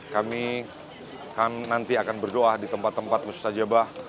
kami nanti akan berdoa di tempat tempat mustajabah